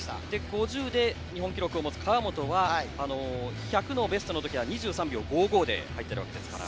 ５０で日本記録を持つ川本は１００のベストの時は２３秒５５で入っているわけですから。